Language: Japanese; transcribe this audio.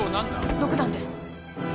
６段です。